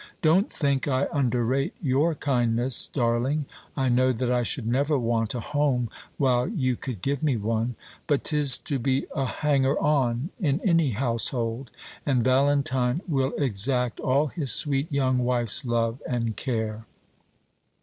Don't think I underrate your kindness, darling; I know that I should never want a home while you could give me one. But 'tis hard to be a hanger on in any household; and Valentine will exact all his sweet young wife's love and care.